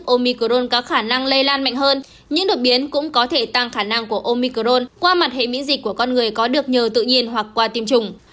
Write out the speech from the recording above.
omicron có khả năng lây lan mạnh hơn những đột biến cũng có thể tăng khả năng của omicrone qua mặt hệ miễn dịch của con người có được nhờ tự nhiên hoặc qua tiêm chủng